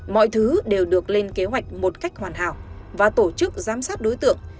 mọi thứ đều được lên kế hoạch một cách hoàn hảo và tổ chức giám sát đối tượng